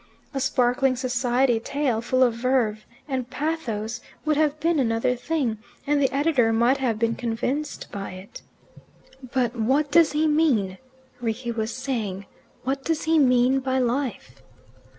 A sparkling society tale, full of verve and pathos, would have been another thing, and the editor might have been convinced by it. "But what does he mean?" Rickie was saying. "What does he mean by life?"